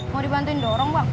mau dibantuin dorong bang